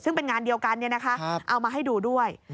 ซึ่งเป็นงานเดียวกันเอามาให้ดูด้วย